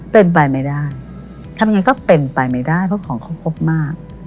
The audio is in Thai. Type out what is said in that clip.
เป็นไปไม่ได้ทำยังไงก็เป็นไปไม่ได้เพราะของเขาครบมาก